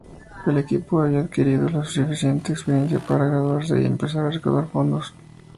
El equipo había adquirido suficiente experiencia para graduarse y empezar a recaudar fondos.